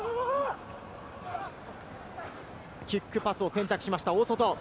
キックパスを選択しました、大外。